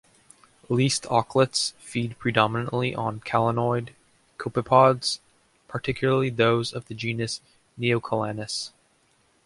Least auklets feed predominantly on calanoid copepods, particularly those of the genus "Neocalanus".